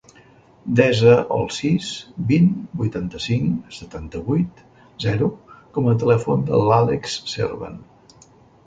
Desa el sis, vint, vuitanta-cinc, setanta-vuit, zero com a telèfon de l'Àlex Serban.